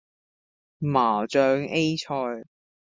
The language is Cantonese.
麻醬 A 菜